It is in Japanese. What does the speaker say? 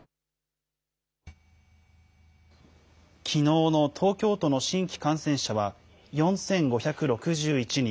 きのうの東京都の新規感染者は４５６１人。